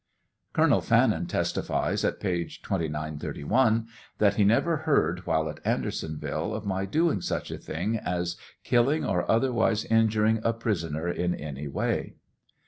Colonel Fannin testifies, at page 2931, that he never heard while at Ander sonville of my doing such a thing as killing or otherwise injuring a prisoner in any way.